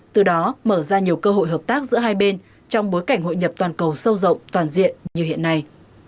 từ đó mở ra nhiều cơ hội hợp tác giữa hai bên trong bối cảnh hội nhập toàn cầu sâu rộng toàn diện như hiện nay